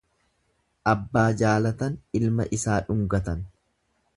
Abbaa jaalatan ilma isaa dhungatan.